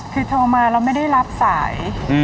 คือโทรมาเราไม่ได้รับสาย